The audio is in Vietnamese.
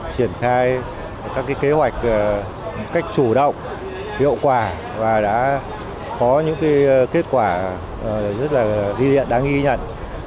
triển khai các kế hoạch một cách chủ động hiệu quả và đã có những kết quả rất là ghi nhận đáng ghi nhận